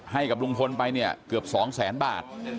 ให้กับลุงพลไปเกือบ๒๐๐๐๐๐บาท